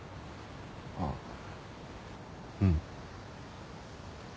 ああうん。